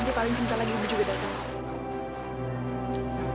nanti paling sebentar lagi ibu juga datang